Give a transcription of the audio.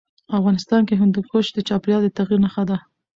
افغانستان کې هندوکش د چاپېریال د تغیر نښه ده.